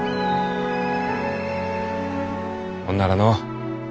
ほんならのう。